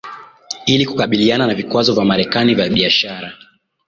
ili kukabiliana na vikwazo vya Marekani vya biashara